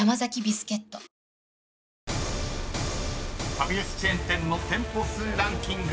［ファミレスチェーン店の店舗数ランキング］